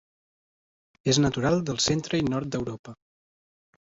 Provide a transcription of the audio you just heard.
És natural del centre i nord d'Europa.